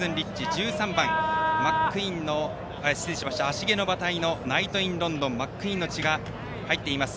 １３番、芦毛の馬体のナイトインロンドンマックイーンの血が入っています。